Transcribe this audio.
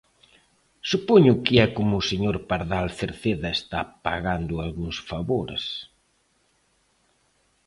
Supoño que é como o señor Pardal Cerceda está pagando algúns favores.